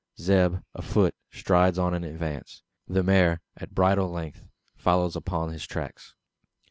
Zeb, afoot, strides on in advance. The mare, at bridle length, follows upon his tracks.